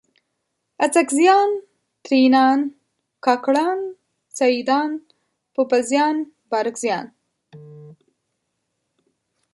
اڅکزیان، ترینان، کاکړان، سیدان ، پوپلزیان، بارکزیان